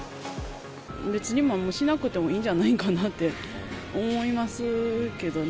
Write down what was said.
別にもうしなくてもいいんじゃないんかなと思いますけどね。